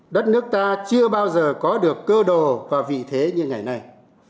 đất nước ta chưa bao giờ có được cơ đồ và vị thế như ngày nay